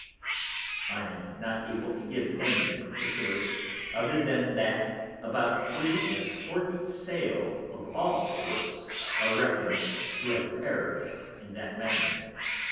I am not able to give any Perticulars, other than that about three and forty Sail of all Sorts are reckon'd to have perished in that manner.